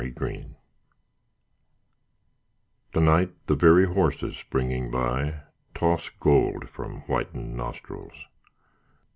WINTER EVENING To night the very horses springing by Toss gold from whitened nostrils.